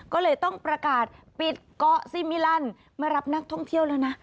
ก็เลยต้องประกาศปิดเกาะซีมิลันมารับนักท่องเที่ยวแล้วนะ